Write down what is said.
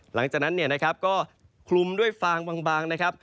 หลังจากนั้นเนี่ยนะครับก็คลุมด้วยฟางบางนะครับ